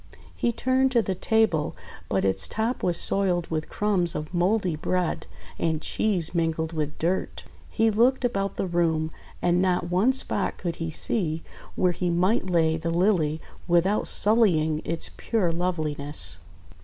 He turned to the table, but its top was soiled with crumbs of mouldy bread and cheese mingled with dirt. He looked about the room, and not one spot could he see where he might lay the Lily without sullying its pure loveliness.